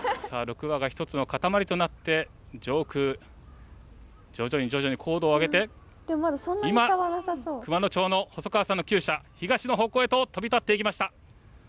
さあ６羽が一つの固まりとなって上空徐々に徐々に高度を上げて今熊野町の細川さんの鳩舎東の方向へと飛び立っていきました。